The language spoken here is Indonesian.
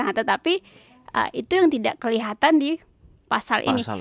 nah tetapi itu yang tidak kelihatan di pasal ini